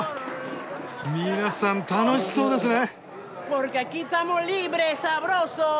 皆さん楽しそうですね！